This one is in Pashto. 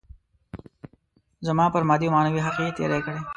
زما پر مادي او معنوي حق يې تېری کړی.